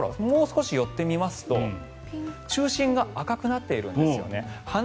もう少し寄って見ますと中心が赤くなっているんですよね。